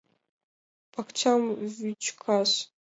Пакчам вӱчкаш.